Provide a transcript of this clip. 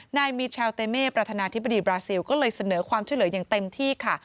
นายมิเชลเตเมปรฐานาธิบดีฟราซิลก็เลยเสนอความเชื่อเหลือยังเต็มที่ค่ะ